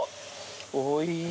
おいしいね。